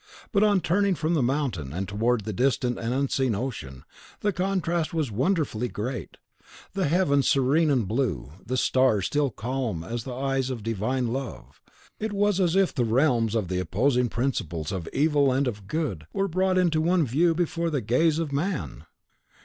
But on turning from the mountain, and towards the distant and unseen ocean, the contrast was wonderfully great; the heavens serene and blue, the stars still and calm as the eyes of Divine Love. It was as if the realms of the opposing principles of Evil and of Good were brought in one view before the gaze of man!